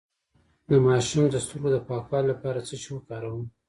د ماشوم د سترګو د پاکوالي لپاره څه شی وکاروم؟